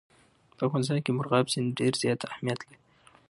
په افغانستان کې مورغاب سیند ډېر زیات اهمیت لري.